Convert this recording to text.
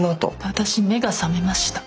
私目が覚めました。